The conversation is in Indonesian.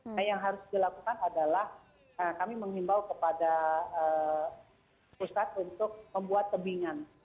nah yang harus dilakukan adalah kami menghimbau kepada pusat untuk membuat tebingan